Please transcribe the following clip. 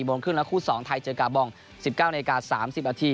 ๔โมงครึ่งแล้วคู่๒ไทยเจอกาบอง๑๙น๓๐น